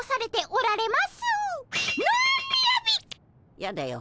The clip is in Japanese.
やだよ。